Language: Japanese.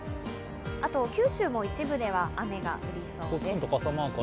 あと九州も一部では雨が降りそうです。